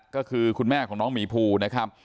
ก็คือคุณแม่ของน้องหมีภูนะครับ